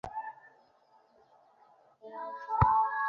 আমাদের তাকে থামাতে হবে!